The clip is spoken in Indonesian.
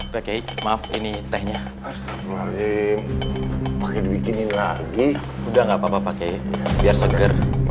pakai maaf ini tehnya bikinin lagi udah nggak papa pakai biar seger ya